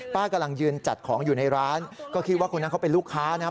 กำลังยืนจัดของอยู่ในร้านก็คิดว่าคนนั้นเขาเป็นลูกค้านะ